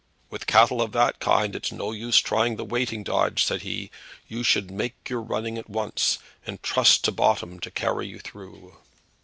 "With cattle of that kind it's no use trying the waiting dodge," said he. "You should make your running at once, and trust to bottom to carry you through."